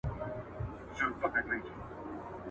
ښه فکر تل ژوند ښه کوي